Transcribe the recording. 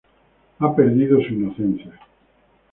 Ha perdido su inocencia.